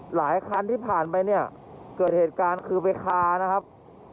หลายคันที่ผ่านไปเนี่ยเกิดเหตุการณ์คือไปคานะครับ